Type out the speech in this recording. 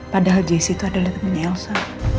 padahal jessy itu adalah temennya elsa